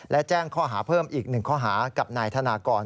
และแจ้งข้อหาเพิ่มอีก๑ข้อหากับนายธนากร